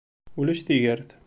Ulac tigert.